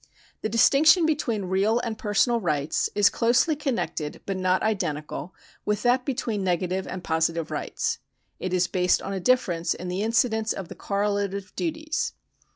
The distinction between real and personal rights is closely connected but not identical with that between negative and positive rights. It is based on a difference in the incidence of the correlative duties.